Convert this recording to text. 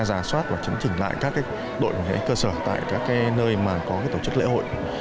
giả soát và chấn chỉnh lại các đội cơ sở tại các nơi mà có tổ chức lễ hội